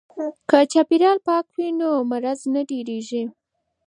که چاپیریال پاک وي نو مرض نه ډیریږي.